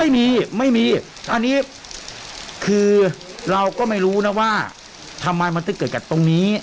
ไม่มีไม่มีอันนี้คือเราก็ไม่รู้นะว่าทำไมมันถึงเกิดกับตรงนี้